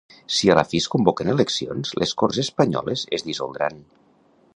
Si a la fi es convoquen eleccions, les corts espanyoles es dissoldran.